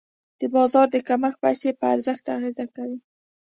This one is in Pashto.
د بازار د کمښت پیسې په ارزښت اغېز کوي.